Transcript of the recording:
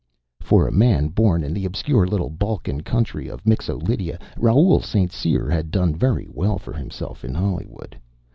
For a man born in the obscure little Balkan country of Mixo Lydia, Raoul St. Cyr had done very well for himself in Hollywood.